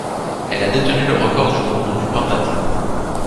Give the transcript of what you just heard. Elle a détenu le record du monde du pentathlon.